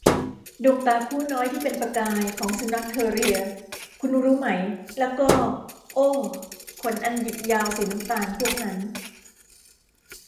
ดวงตาคู่น้อยที่เป็นประกายของสุนัขเทอร์เรีย คุณรู้ไหม และก็ โอ้ ขนอันหยิกยาวสีน้ำตาลพวกนั้น !